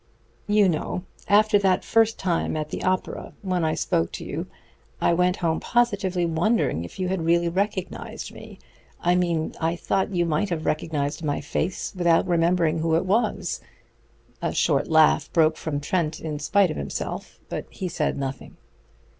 You know. After that first time at the opera when I spoke to you I went home positively wondering if you had really recognized me. I mean, I thought you might have recognized my face without remembering who it was." A short laugh broke from Trent in spite of himself, but he said nothing.